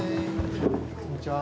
こんにちは。